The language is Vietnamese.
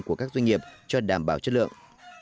của các doanh nghiệp cho đảm bảo chất lượng